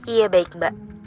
iya baik mbak